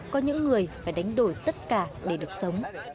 có những người phải đánh đổi tất cả để được sống